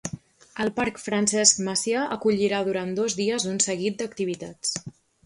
El parc Francesc Macià acollirà durant dos dies un seguit d'activitats.